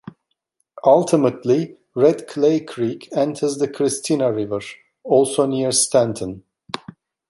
Ultimately, Red Clay Creek enters the Christina River, also near Stanton.